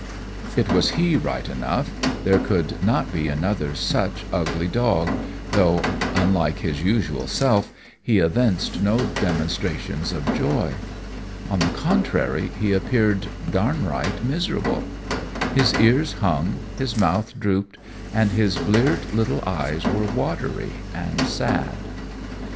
It was he right enough, there could not be another such ugly dog, though, unlike his usual self, he evinced no demonstrations of joy. On the contrary, he appeared downright miserable. His ears hung, his mouth dropped, and his bleared little eyes were watery and sad.